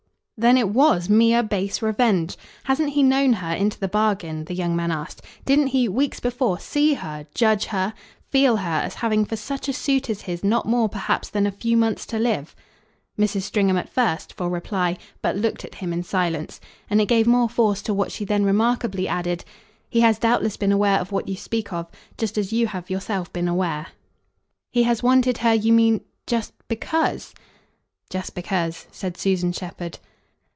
"Then it WAS mere base revenge. Hasn't he known her, into the bargain," the young man asked "didn't he, weeks before, see her, judge her, feel her, as having for such a suit as his not more perhaps than a few months to live?" Mrs. Stringham at first, for reply, but looked at him in silence; and it gave more force to what she then remarkably added. "He has doubtless been aware of what you speak of, just as you have yourself been aware." "He has wanted her, you mean, just BECAUSE ?" "Just because," said Susan Shepherd.